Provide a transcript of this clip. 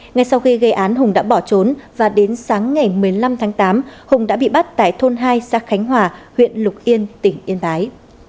ngay sau khi gây án hùng đã bỏ trốn và đến sáng ngày một mươi năm tháng tám hùng đã bị bắt tại thôn hai xã khánh hòa huyện lục yên tỉnh yên bái